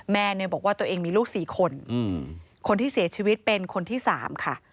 แม่เนี่ยบอกว่าตัวเองมีลูก๔คนคนที่เสียชีวิตเป็นคนที่๓ค่ะ